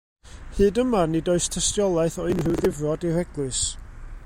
Hyd yma, nid oes tystiolaeth o unrhyw ddifrod i'r eglwys.